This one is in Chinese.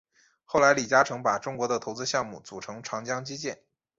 后来李嘉诚把中国的投资项目组成长江基建。